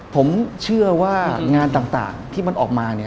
ผมเชื่อว่างานต่างที่มันออกมา